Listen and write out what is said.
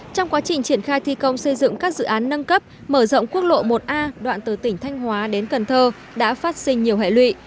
trong quá trình triển khai thi công xây dựng các dự án nâng cấp mở rộng quốc lộ một a đoạn từ tỉnh thanh hóa đến cần thơ đã phát sinh nhiều hệ lụy